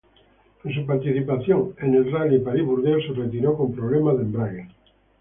En su participación en el rally París-Burdeos, se retiró con problemas de embrague.